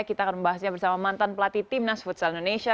kita akan membahasnya bersama mantan pelatih tim nas food cell indonesia